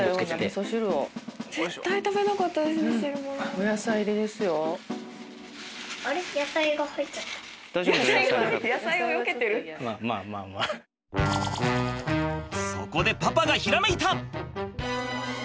そこでパパがひらめいた！